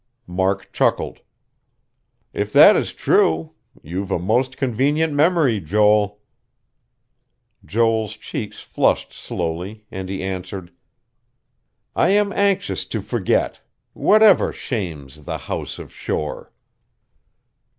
Mark chuckled. "If that is true, you've a most convenient memory, Joel." Joel's cheeks flushed slowly, and he answered: "I am anxious to forget whatever shames the House of Shore."